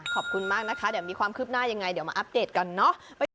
ขอบคุณมากนะคะเดี๋ยวมีความคืบหน้ายังไงเดี๋ยวมาอัปเดตกันเนอะ